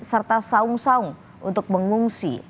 serta saung saung untuk mengungsi